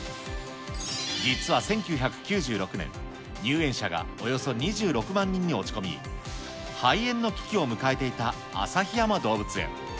実は１９９６年、入園者がおよそ２６万人に落ち込み、廃園の危機を迎えていた旭山動物園。